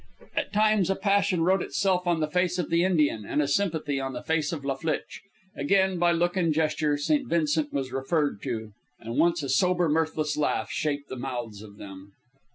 At times a passion wrote itself on the face of the Indian, and a sympathy on the face of La Flitche. Again, by look and gesture, St. Vincent was referred to, and once a sober, mirthless laugh shaped the mouths of them.